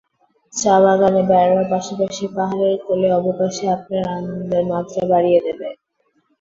চা-বাগানে বেড়ানোর পাশাপাশি পাহাড়ের কোলে অবকাশে আপনার আনন্দের মাত্রা বাড়িয়ে দেবে।